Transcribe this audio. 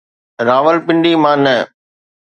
راولپنڊي مان نه.